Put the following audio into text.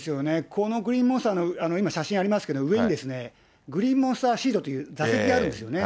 このグリーンモンスターの今、写真ありますけど、上にですね、グリーンモンスターシートっていう座席があるんですよね。